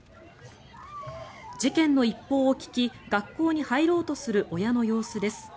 事件の一報を聞き学校に入ろうとする親の様子です。